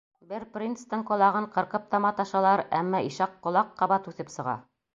Бер принцтың ҡолағын ҡырҡып та маташалар, әммә ишәк ҡолаҡ ҡабат үҫеп сыға.